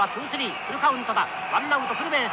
ワンナウトフルベース。